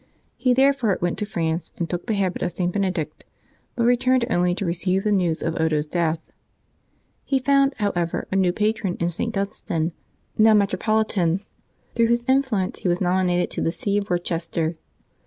He therefore went to France and took the habit of St. Benedict, but returned, only to receive the news of Odo's death. He found, however, a Maech 1] LIVES OF THE SAINTS 91 new patron in St. Dunstan, now metropolitan, through whose influence he was nominated to the see of Worcester.